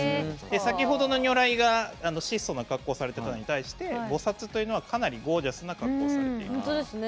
先ほどの如来が質素な格好をされていたのに対して菩薩っていうのはかなりゴージャスな格好をされています。